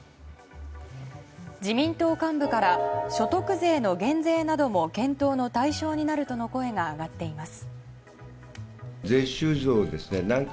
自民党幹部からは所得税の減税なども検討の対象になるとの声が上がっています。